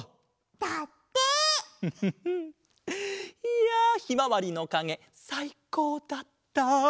いやひまわりのかげさいこうだった！